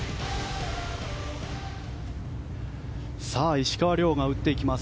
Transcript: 石川遼が打っていきます。